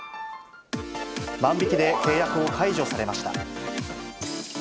万引きで契約を解除されまし